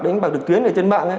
đánh bạc được tuyến ở trên mạng